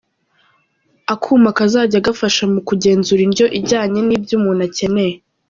Akuma kazajya gafasha mu kugenzura indyo ijyanye n’ibyo umuntu akeneye.